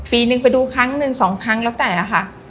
ปีนึงไปดูครั้งหนึ่งสองครั้งแล้วแต่ละค่ะ